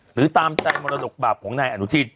หรือตามใจมรดกบาปของนายอนุทิน